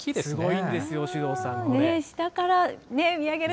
すごいんですよ、首藤さん。